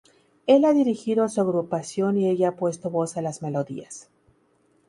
Él ha dirigió a su agrupación y ella ha puesto voz a las melodías.